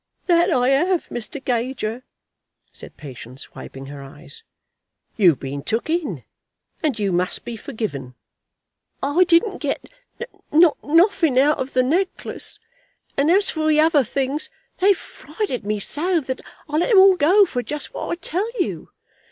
"That I have, Mr. Gager," said Patience, wiping her eyes. "You've been took in, and you must be forgiven." "I didn't get not nothing out of the necklace; and as for the other things, they've frighted me so, that I let 'em all go for just what I tell you.